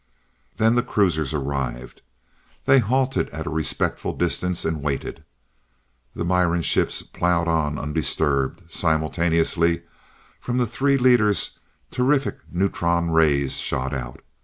Then the cruisers arrived. They halted at a respectful distance, and waited. The Miran ships plowed on undisturbed. Simultaneously, from the three leaders, terrific neutron rays shot out.